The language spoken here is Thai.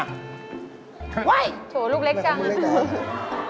เฮ้ยโถลูกเล็กจังอ่ะ